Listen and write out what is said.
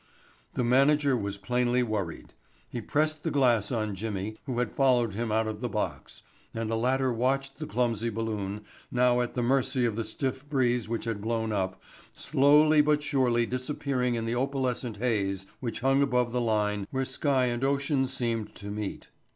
The manager was plainly worried. He pressed the glass on Jimmy, who had followed him out of the box, and the latter watched the clumsy balloon, now at the mercy of the stiff breeze which had blown up, slowly but surely disappearing in the opalescent haze which hung above the line where sky and ocean seemed to meet.